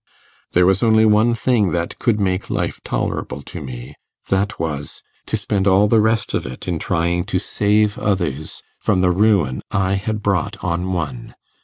There was only one thing that could make life tolerable to me; that was, to spend all the rest of it in trying to save others from the ruin I had brought on one.